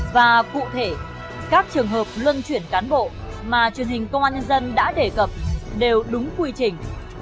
và cụ thể các trường hợp luân chuyển cán bộ mà truyền hình công an nhân dân đã đề cập đều đúng quy trình